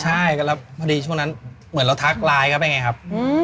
ใช่แล้วพอดีช่วงนั้นเหมือนเราทักไลน์เข้าไปไงครับ